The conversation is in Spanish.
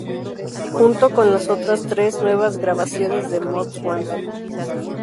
Junto con las otras tres nuevas grabaciones de Most Wanted.